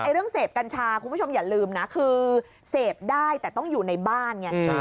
เรื่องเสพกัญชาคุณผู้ชมอย่าลืมนะคือเสพได้แต่ต้องอยู่ในบ้านไง